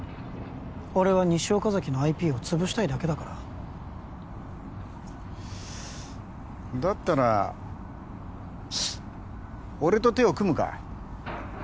俺は西岡崎のＩＰを潰したいだけだからだったら俺と手を組むか？